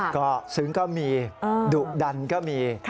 ก็ซึ้งก็มีดุดันก็มี